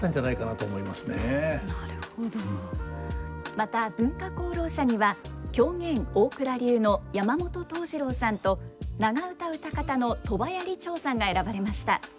また文化功労者には狂言大蔵流の山本東次郎さんと長唄唄方の鳥羽屋里長さんが選ばれました。